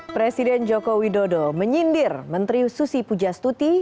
presiden joko widodo menyindir menteri susi pujastuti